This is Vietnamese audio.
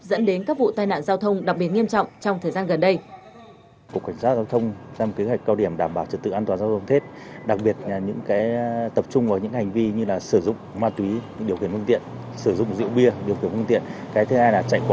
dẫn đến các vụ tai nạn giao thông đặc biệt nghiêm trọng trong thời gian gần đây